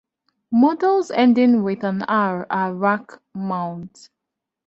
Models ending with an R, are rack-mount.